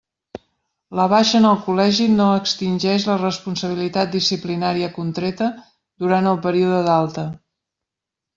La baixa en el col·legi no extingeix la responsabilitat disciplinària contreta durant el període d'alta.